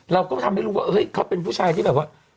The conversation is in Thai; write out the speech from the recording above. เราก็ทำให้รู้ว่าเฮ้ยเขาเป็นผู้ชายที่แบบว่า